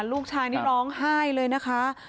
ลูกชายนี่ร้องไห้เลยนะคะ